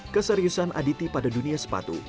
keseriusan aditi pada dunia sepatu bukan main main